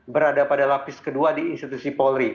berada pada lapis kedua di institusi polri